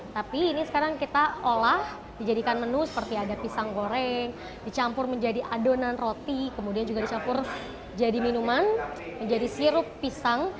tapi ini sekarang kita olah dijadikan menu seperti ada pisang goreng dicampur menjadi adonan roti kemudian juga dicampur jadi minuman menjadi sirup pisang